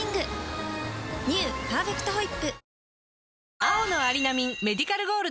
「パーフェクトホイップ」